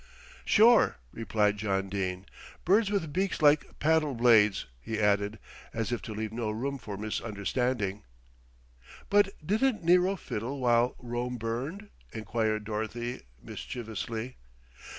"Sure," replied John Dene. "Birds with beaks like paddle blades," he added, as if to leave no room for misunderstanding. "But didn't Nero fiddle while Rome burned?" enquired Dorothy mischievously.